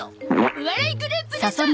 お笑いグループだゾ。